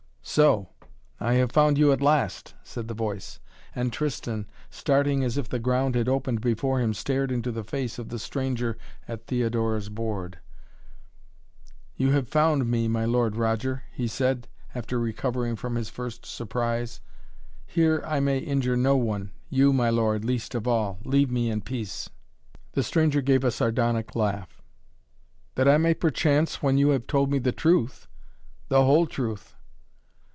"So I have found you at last," said the voice, and Tristan, starting as if the ground had opened before him, stared into the face of the stranger at Theodora's board. "You have found me, my Lord Roger," he said, after recovering from his first surprise. "Here I may injure no one you, my lord, least of all! Leave me in peace!" The stranger gave a sardonic laugh. "That I may perchance, when you have told me the truth the whole truth!"